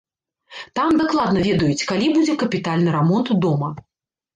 Там дакладна ведаюць, калі будзе капітальны рамонт дома.